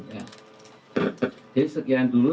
jadi sekian dulu